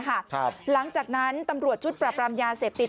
หลังจากนั้นตำรวจชุดปรับรามยาเสพติด